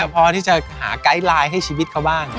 พอที่จะหาไกด์ไลน์ให้ชีวิตเขาบ้าง